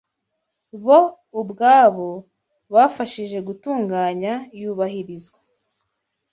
bo ubwabo bafashije gutunganya yubahirizwa